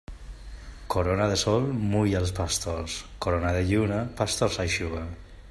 Corona de sol mulla els pastors, corona de lluna pastors eixuga.